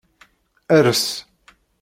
Ers.